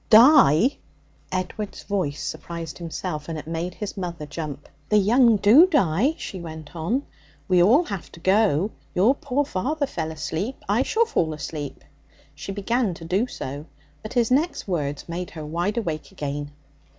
'Die!' Edward's voice surprised himself, and it made his mother jump. 'The young do die,' she went on; 'we all have to go. Your poor father fell asleep. I shall fall asleep.' She began to do so. But his next words made her wide awake again.